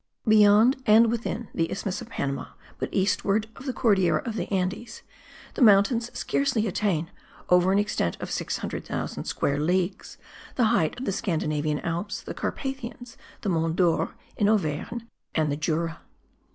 Beyond and within the isthmus of Panama, but eastward of the Cordillera of the Andes, the mountains scarcely attain, over an extent of 600,000 square leagues, the height of the Scandinavian Alps, the Carpathians, the Monts Dores (in Auvergne) and the Jura.